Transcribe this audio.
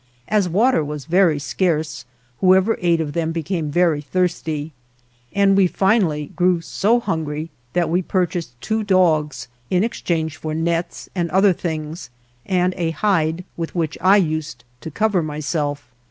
As water was very scarce, who ever ate of them became very thirsty. And we finally grew so hungry that we pur 112 ALVAR NUNEZ CABEZA DE VACA chased two dogs, in exchange for nets and other things, and a hide with which I used to cover myself.